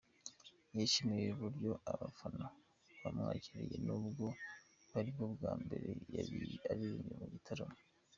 Yishimiye uburyo abafana bamwakiriye nubwo bwaribwo bwa mbere yari aririmbye mu gitaramo.